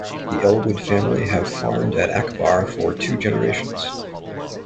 The Ellwood family have farmed at Akebar for two generations.